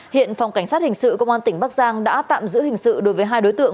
hiện phòng cảnh sát hình sự công an tỉnh bắc giang đã tạm giữ hình sự đối với hai đối tượng